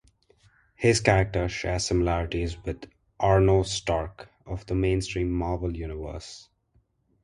His character shares similarities with Arno Stark of the mainstream Marvel universe.